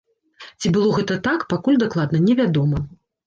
Ці было гэта так, пакуль дакладна невядома.